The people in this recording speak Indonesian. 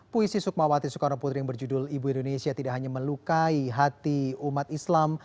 puisi sukmawati soekarno putri yang berjudul ibu indonesia tidak hanya melukai hati umat islam